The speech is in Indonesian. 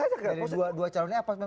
dari dua calonnya apa